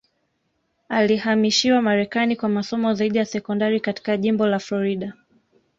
Alihamishiwa Marekani kwa masomo zaidi ya sekondari katika jimbo la Florida